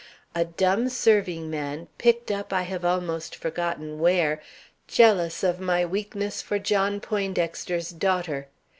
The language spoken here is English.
A dumb serving man, picked up I have almost forgotten where, jealous of my weakness for John Poindexter's daughter!